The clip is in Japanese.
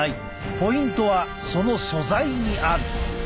ポイントはその素材にある。